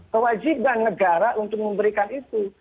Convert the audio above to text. kewajiban negara untuk memberikan itu